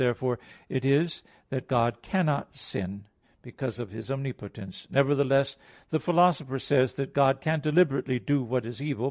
Therefore it is that God cannot sin, because of His omnipotence. Nevertheless, the Philosopher says (Topic. iv, 3) that God can deliberately do what is evil.